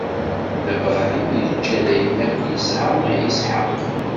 Dda Bṛahim iǧǧa-d ayen akk yesɛa i Isḥaq.